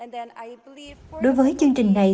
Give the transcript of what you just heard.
đối với chương trình này